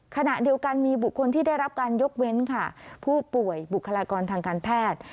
ขณะเดียวกันมีบุคคลที่ได้รับการยกเว้นค่ะผู้ป่วยบุคลากรทางการแพทย์